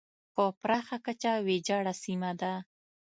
په پراخه کچه ویجاړه سیمه ده.